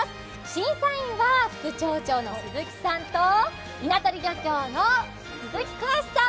審査員は副町長の鈴木さんと稲取漁協の鈴木精さん。